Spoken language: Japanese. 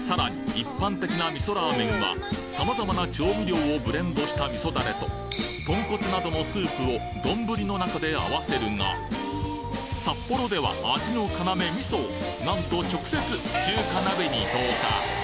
一般的な味噌ラーメンは様々な調味料をブレンドした味噌ダレとトンコツなどのスープを丼の中で合わせるが札幌では味の要味噌をなんと直接中華鍋に投下！！